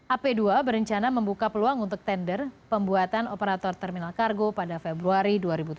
ap dua berencana membuka peluang untuk tender pembuatan operator terminal kargo pada februari dua ribu tujuh belas